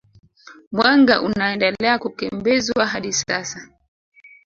Mwenge unaendelea kukimbizwa hadi sasa